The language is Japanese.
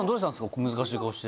小難しい顔して。